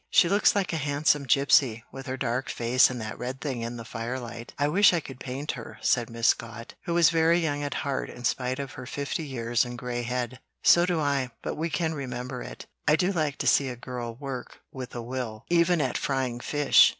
"She looks like a handsome gypsy, with her dark face and that red thing in the firelight. I wish I could paint her," said Miss Scott, who was very young at heart in spite of her fifty years and gray head. "So do I, but we can remember it. I do like to see a girl work with a will, even at frying fish.